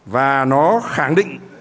và nó khẳng định